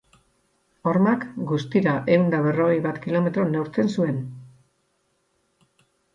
Hormak, guztira ehun eta berrogei bat kilometro neurtzen zuen.